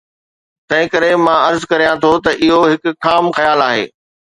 تنهن ڪري، مان عرض ڪريان ٿو ته اهو هڪ خام خيال آهي.